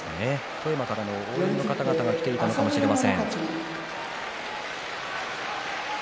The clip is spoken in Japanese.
富山からの応援の方も来ているのかもしれません。